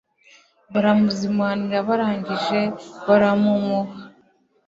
baramuzimanira barangije baramumuha